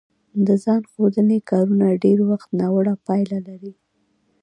د ځان ښودنې کارونه ډېری وخت ناوړه پایله لري